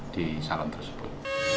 di salon tersebut